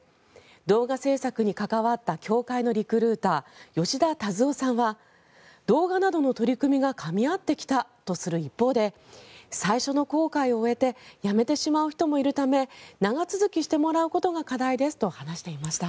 動画制作に関わった協会のリクルーター吉田鶴男さんは動画などの取り組みがかみ合ってきたとする一方で最初の航海を終えて辞めてしまう人もいるため長続きしてもらうことが課題ですと話していました。